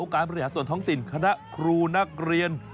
การบริหารส่วนท้องถิ่นคณะครูนักเรียน